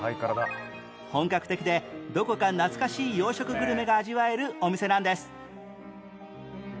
本格的でどこか懐かしい洋食グルメが味わえるお店なんです